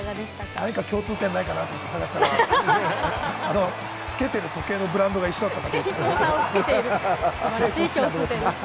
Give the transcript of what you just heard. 何か共通点がないかなと思って探したら、つけてる時計のブランドが一緒だった。